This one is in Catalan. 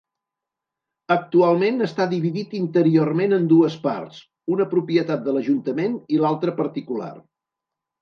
Actualment està dividit interiorment en dues parts, una propietat de l'Ajuntament i l'altre particular.